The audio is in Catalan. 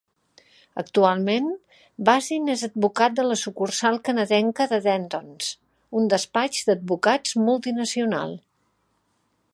Actualment, Bazin és advocat de la sucursal canadenca de Dentons, un despatx d'advocats multinacional.